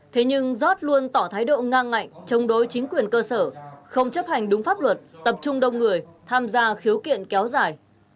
thế nhưng giót luôn tỏ thái độ ngang ngạnh chống đối chính quyền cơ sở không chấp hành đúng pháp luật tập trung đông người tham gia khiếu kiện kéo dài